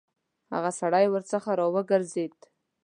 هغه سړی ورڅخه راوګرځېد.